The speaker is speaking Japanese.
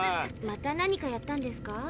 また何かやったんですか？